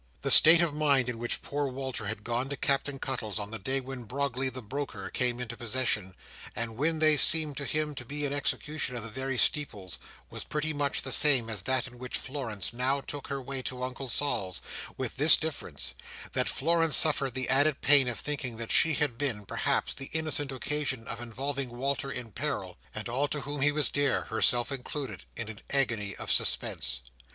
The state of mind in which poor Walter had gone to Captain Cuttle's, on the day when Brogley the broker came into possession, and when there seemed to him to be an execution in the very steeples, was pretty much the same as that in which Florence now took her way to Uncle Sol's; with this difference, that Florence suffered the added pain of thinking that she had been, perhaps, the innocent occasion of involving Walter in peril, and all to whom he was dear, herself included, in an agony of suspense.